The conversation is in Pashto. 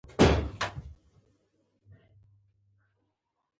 انار د افغانستان په هره برخه کې په ډېرې اسانۍ موندل کېږي.